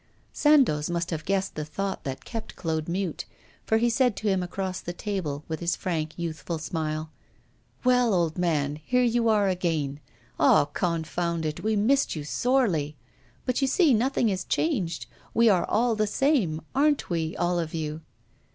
Sandoz must have guessed the thought that kept Claude mute, for he said to him across the table, with his frank, youthful smile: 'Well, old man, here you are again! Ah, confound it! we missed you sorely. But, you see, nothing is changed; we are all the same aren't we, all of you?